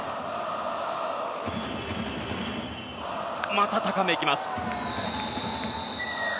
また高め、いきます。